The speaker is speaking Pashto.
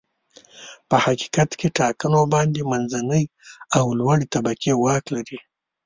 په حقیقت کې ټاکنو باندې منځنۍ او لوړې طبقې واک لري.